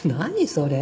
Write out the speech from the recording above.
それ。